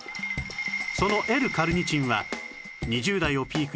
その Ｌ− カルニチンは２０代をピークに減少